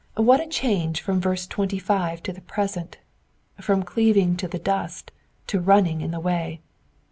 Wliat a change from verse 25 to the present, from cleaving to the dust to running in the way.